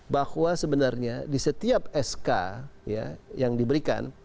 bahwa sebenarnya di setiap sk yang diberikan